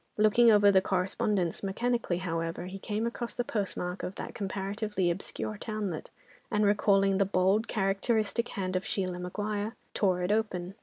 Looking over the correspondence, mechanically, however, he came across the postmark of that comparatively obscure townlet, and recalling the bold, characteristic hand of Sheila Maguire, tore it open.